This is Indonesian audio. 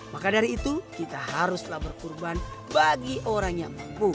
maka dari itu kita haruslah berkurban bagi orang yang empuk